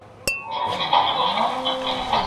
ښه حافظه به له تا سره په علمي کارونو کي مرسته وکړي.